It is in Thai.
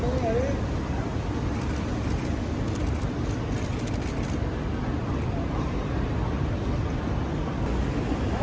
คุณอยู่ในโรงพยาบาลนะ